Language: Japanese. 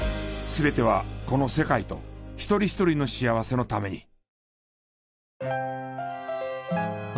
全てはこの世界と一人一人の幸せのために。